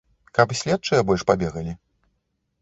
Каб следчыя больш пабегалі?